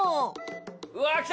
うわっ来た！